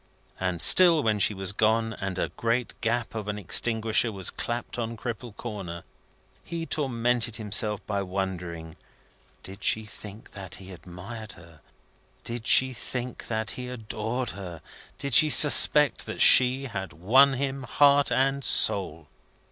And still, when she was gone, and a great gap of an extinguisher was clapped on Cripple Corner, he tormented himself by wondering, Did she think that he admired her! Did she think that he adored her! Did she suspect that she had won him, heart and soul!